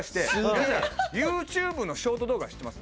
皆さんＹｏｕＴｕｂｅのショート動画知ってます？